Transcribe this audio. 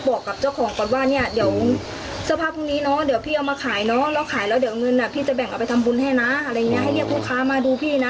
ออกไปทำบุญให้นะอะไรอย่างนี้ให้เรียกผู้ค้ามาดูพี่นะ